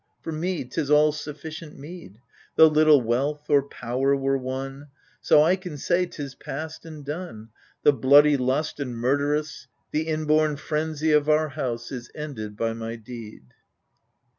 For me 'tis all suflficknt meed, Tho' little wealth or power were won, So I can say, ^Tis past and done. The bloody lust and murderous^ The inborn frenzy of our house ^ Is ended^ by my deed!